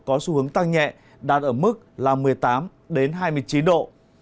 có xu hướng tăng nhẹ đạt ở mức là một mươi tám hai mươi chín độ